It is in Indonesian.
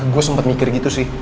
gue sempet mikir gitu sih